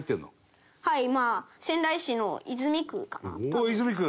おっ泉区！